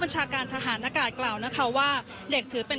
ก็จะมีการพิพากษ์ก่อนก็มีเอ็กซ์สุขก่อน